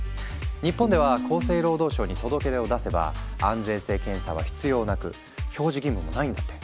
日本では厚生労働省に届け出を出せば安全性検査は必要なく表示義務もないんだって。